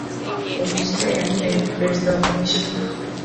Augustin Iyamurembye (Perezida wa Komisiyo)